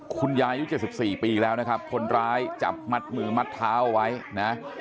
คุณยายุค๗๔ปีแล้วนะครับคนร้ายจับมัดมือมัดเท้าเอาไว้นะ